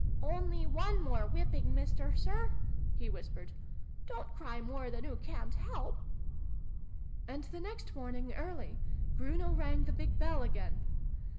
" Only one more whipping, Mister Sir !" he whispered. " Don't cry more than oo ca'n't help !") "And the next morning early, Bruno rang the big bell again.